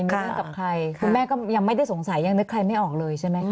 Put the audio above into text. มีเรื่องกับใครคุณแม่ก็ยังไม่ได้สงสัยยังนึกใครไม่ออกเลยใช่ไหมคะ